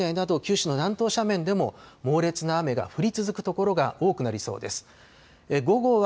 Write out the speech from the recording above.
また宮崎県内など九州の南東斜面でも猛烈な雨が降り続く所が多くなりそうです。